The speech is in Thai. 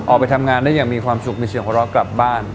ออกไปทำงานได้อย่างมีความสุขมีเสียงหัวเราะกลับบ้าน